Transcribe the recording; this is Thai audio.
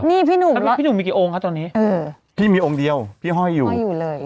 นี่พี่หนุ่มพี่หนุ่มมีกี่องค์คะตอนนี้พี่มีองค์เดียวพี่ห้อยอยู่ห้อยอยู่เลย